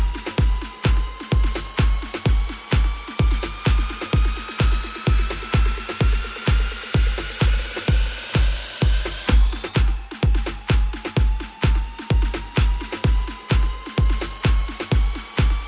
โปรดติดตามตอนต่อไป